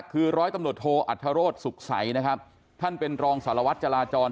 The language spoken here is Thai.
คือร้อยตำรวจโทอัธโรธสุขใสนะครับท่านเป็นรองสารวัตรจราจร